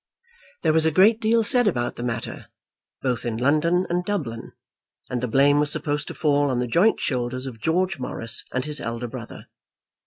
There was a great deal said about the matter, both in London and Dublin, and the blame was supposed to fall on the joint shoulders of George Morris and his elder brother.